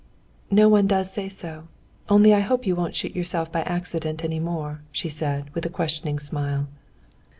"No one does say so. Only I hope you won't shoot yourself by accident any more," she said, with a questioning smile.